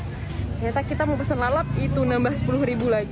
ternyata kita mau pesen lalap itu nambah sepuluh ribu lagi